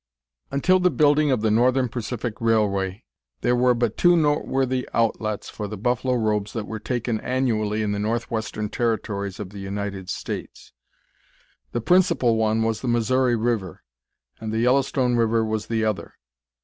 _ Until the building of the Northern Pacific Railway there were but two noteworthy outlets for the buffalo robes that were taken annually in the Northwestern Territories of the United States. The principal one was the Missouri River, and the Yellowstone River was the other.